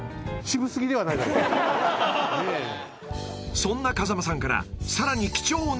［そんな風間さんから］